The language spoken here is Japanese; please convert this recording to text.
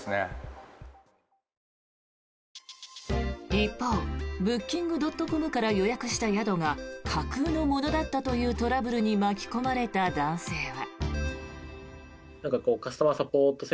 一方ブッキングドットコムから予約した宿が架空のものだったというトラブルに巻き込まれた男性は。